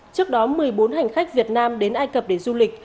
trước đó một mươi bốn hành khách việt nam đến ai cập để du lịch